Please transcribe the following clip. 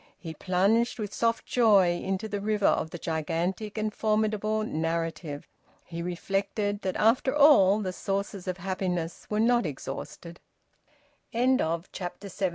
He plunged with soft joy into the river of the gigantic and formidable narrative. He reflected that after all the sources of happiness were not exhausted. VOLUME TWO, CHAPTER ONE.